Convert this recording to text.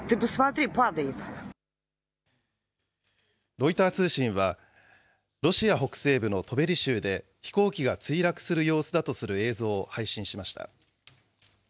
ロイター通信は、ロシア北西部のトベリ州で飛行機が墜落する様子だとする映像を配信しました。